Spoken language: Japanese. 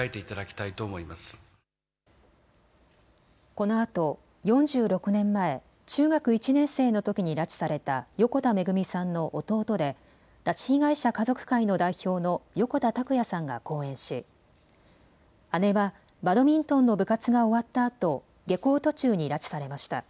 このあと４６年前、中学１年生のときに拉致された横田めぐみさんの弟で拉致被害者家族会の代表の横田拓也さんが講演し姉はバドミントンの部活が終わったあと下校途中に拉致されました。